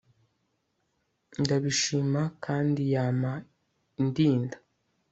ndabishima. kandi yama indinda